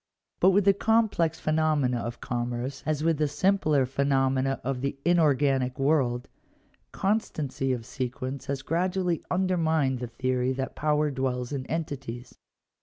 6 But with the complex phenomena of commerce, as with the simpler phenomena of the inorganic world, constancy of sequence has gradually undermined the theory that power dwells in entities.